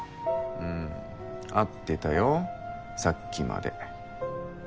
うん会ってたよさっきまで。